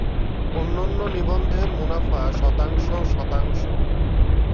অন্যান্য নিবন্ধের মুনাফা শতাংশ শতাংশ।